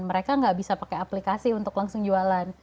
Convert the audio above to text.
mereka nggak bisa pakai aplikasi untuk langsung jualan